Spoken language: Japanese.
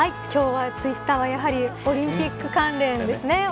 今日はツイッターは、やはりオリンピック関連ですね。